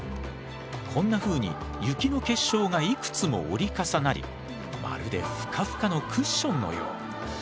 こんなふうに雪の結晶がいくつも折り重なりまるでフカフカのクッションのよう。